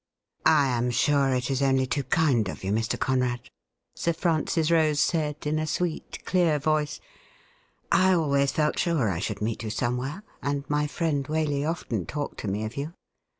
' I am sure it is only too kind of you, Mr. Conrad,' Sir Francis Rose said, in a sweet clear voice. ' I always felt sure I should meet you somewhere, and my friend Waley often talked to me of you.